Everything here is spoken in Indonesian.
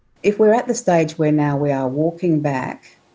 jika kita berada di tahap sekarang kita berjalan kembali